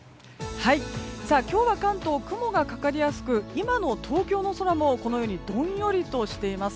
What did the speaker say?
今日は関東雲がかかりやすく今の東京の空も、このようにどんよりとしています。